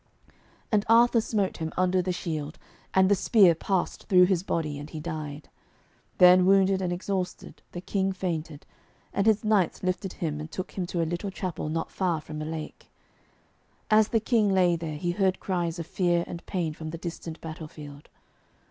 And Arthur smote him under the shield, and the spear passed through his body, and he died. Then, wounded and exhausted, the King fainted, and his knights lifted him and took him to a little chapel not far from a lake. As the King lay there, he heard cries of fear and pain from the distant battle field.